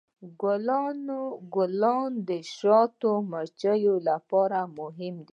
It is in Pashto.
ګلان د شاتو د مچیو لپاره مهم دي.